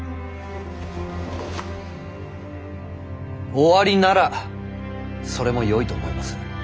おありならそれもよいと思います。